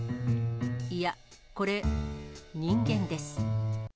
いや、これ、人間です。